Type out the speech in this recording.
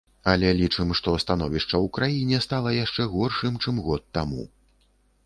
Але лічым, што становішча ў краіне стала яшчэ горшым, чым год таму.